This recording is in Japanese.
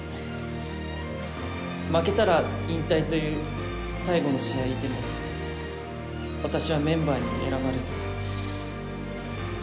負けたら引退という最後の試合でも私はメンバーに選ばれず。